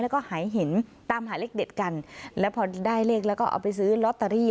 แล้วก็หายหินตามหาเลขเด็ดกันแล้วพอได้เลขแล้วก็เอาไปซื้อลอตเตอรี่